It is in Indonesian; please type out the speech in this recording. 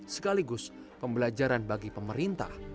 sekaligus pembelajaran bagi pemerintah